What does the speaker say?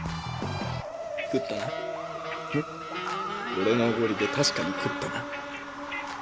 俺のおごりで確かに食ったな？